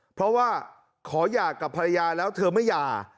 เพราะว่าขอหย่ากับภรรยาแล้วเธอไม่หย่า